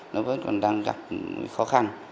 nó vẫn còn đang gặp khó khăn